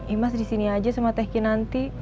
imas disini aja sama teh kinanti